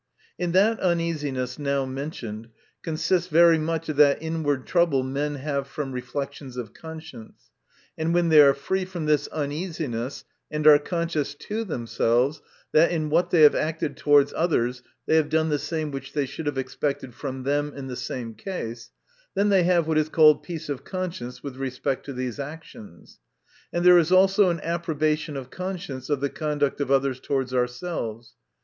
■ In that uneasiness now mentioned, consists very much of that inward trouble men have from reflections of conscience : and when they are free from this un easiness, and are conscious to themselves, that in what they have acted towards others, they have done the same which they should have expected from them in the same case, then they have what is called peace of conscience, with respect to these actions. — And there is also an approbation of conscience, of the conduct of others towards ourselves.